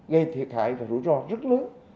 gây thiệt hại và rủi ro rất lớn